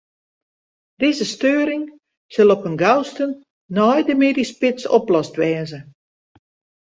Dizze steuring sil op 'en gausten nei de middeisspits oplost wêze.